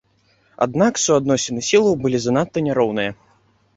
Аднак суадносіны сілаў былі занадта няроўныя.